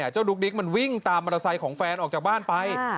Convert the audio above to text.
ดุ๊กดิ๊กมันวิ่งตามมอเตอร์ไซค์ของแฟนออกจากบ้านไป